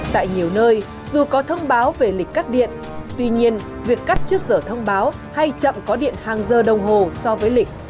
tại nhiều nơi dù có thông báo về lịch cắt điện tuy nhiên việc cắt trước giờ thông báo hay chậm có điện hàng giờ đồng hồ so với lịch